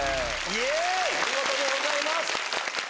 お見事でございます。